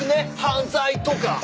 犯罪とか」